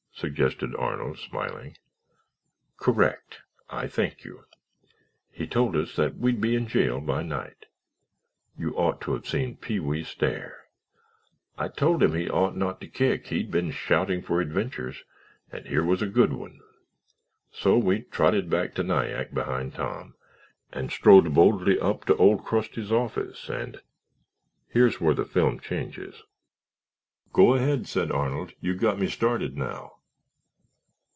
suggested Arnold, smiling. "Correct—I thank you. He told us that we'd be in jail by night. You ought to have seen Pee wee stare. I told him he ought not to kick—he'd been shouting for adventures and here was a good one. So we trotted back to Nyack behind Tom and strode boldly up to Old Crusty's office and—here's where the film changes—" "Go ahead," said Arnold. "You've got me started now."